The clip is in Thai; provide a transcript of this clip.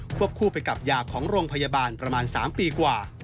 วบคู่ไปกับยาของโรงพยาบาลประมาณ๓ปีกว่า